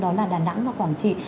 đó là đà nẵng và quảng trị